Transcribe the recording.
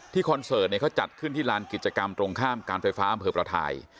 คอนเสิร์ตเขาจัดขึ้นที่ลานกิจกรรมตรงข้ามการไฟฟ้าอำเภอประทาย